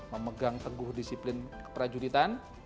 memegang teguh disiplin keprajuritan